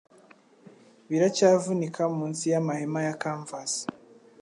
Biracyavunika munsi y'amahema ya canvas